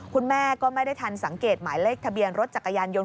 คุณแม่ก็ไม่ได้ทันสังเกตหมายเลขทะเบียนรถจักรยานยน